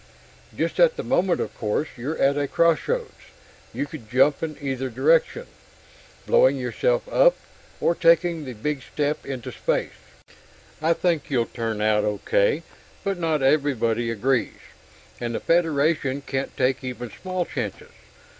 "Just at the moment, of course, you're at a crossroads. You could jump in either direction, blowing yourself up or taking the big step into space. I think you'll turn out okay, but not everybody agrees and the Federation can't take even small chances.